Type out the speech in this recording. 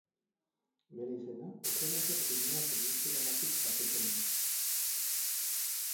Bere izena Ukrainako Krimea penintsulagatik jasotzen du.